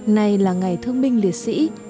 này là ngày thương binh liệt sĩ